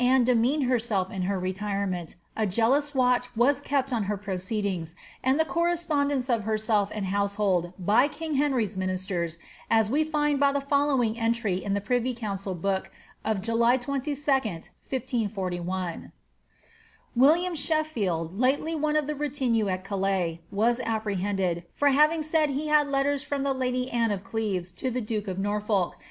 900 Meekly as Anoe demeaned herself in her retirenient» a jealous watch was kept on her proceedings, and the correspondence of herself and house hold by king Henry's ministers^ as we find by the following entry in the privy council book of July 32dy 1541 :—^ William Sheffield, lately one of the retinue at Calais, was appre hended, for having said he had letters from the lady Anne of Cleves to the duke of NcMrfolk.